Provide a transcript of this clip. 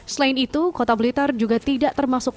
selain itu kota blitar juga tidak termasuk